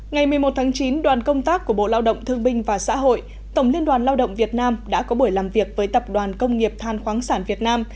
ngày một mươi một tháng chín đoàn công tác của bộ lao động thương binh và xã hội tổng liên đoàn lao động việt nam đã có buổi làm việc với tập đoàn công nghiệp than khoáng sản việt nam